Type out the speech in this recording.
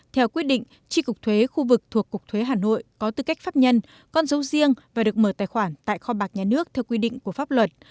theo quyết định tri cục thuế khu vực thuộc cục thuế hà nội có tư cách pháp nhân con dấu riêng và được mở tài khoản tại kho bạc nhà nước theo quy định của pháp luật